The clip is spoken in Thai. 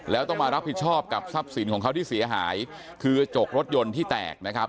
แล้วต้องมารับผิดชอบกับทรัพย์สินของเขาที่เสียหายคือกระจกรถยนต์ที่แตกนะครับ